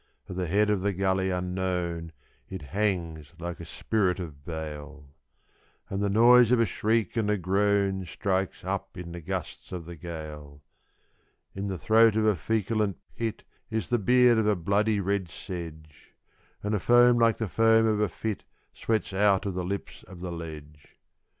At the head of the gully unknown it hangs like a spirit of bale. And the noise of a shriek and a groan strikes up in the gusts of the gale. In the throat of a feculent pit is the beard of a bloody red sedge; And a foam like the foam of a fit sweats out of the lips of the ledge.